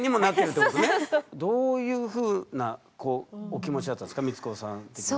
どういうふうなお気持ちだったんですか光子さん的には。